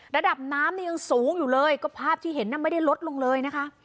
ระดับน้ำนี่ยังสูงอยู่เลยก็ภาพที่เห็นน่ะไม่ได้ลดลงเลยนะคะ